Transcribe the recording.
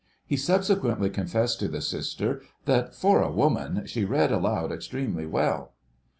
He subsequently confessed to the Sister that, for a woman, she read aloud extremely well.